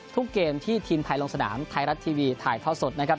ทุกเกมที่ทีมไทยลงสนามไทยรัฐทีวีถ่ายท่อสดนะครับ